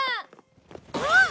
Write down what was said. あっ！